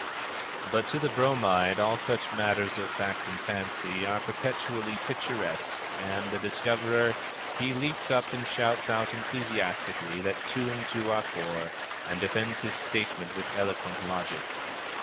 But to the Bromide all such matters of fact and fancy are perpetually picturesque, and, a discoverer, he leaps up and shouts out enthusiastically that two and two are four, and defends his statement with eloquent logic.